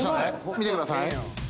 見てください。